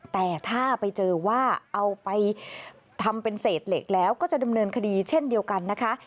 แต่ถ้าไปเจอว่าเอาไปทำเป็นเศษเหล็กแล้วก็จะดำเนินคดีเช่นเดียวกันนะคะ